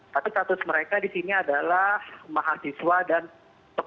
tapi status mereka disini adalah mahasiswa dan pekerja